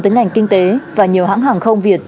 tới ngành kinh tế và nhiều hãng hàng không việt